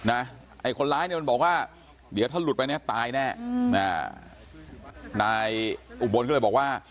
ไอ้คนร้ายเนี่ยมันบอกว่าเดี๋ยวถ้าหลุดไปเนี้ยตายแน่นายอุบลก็เลยบอกว่า